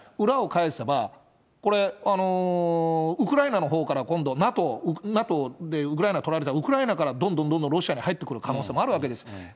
裏を返せば、これ、ウクライナのほうから、今度、ＮＡＴＯでウクライナ取られたら、ウクライナからどんどんどんどんロシアに入ってくる可能性もあるわけです。